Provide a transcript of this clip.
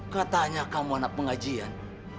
katanya kamu anak pengajian